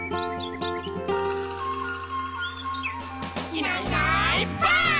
「いないいないばあっ！」